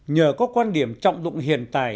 nhờ có quan điểm trọng dụng hiện tại